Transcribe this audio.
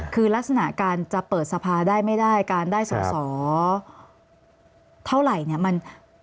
คือลักษณะการจะเปิดสภาได้ไม่ได้การได้สอสอเท่าไหร่เนี่ย